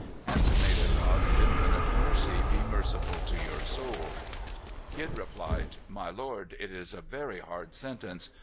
And may the God of infinite mercy be merciful to your soul." Kidd replied, "My lord, it is a very hard sentence.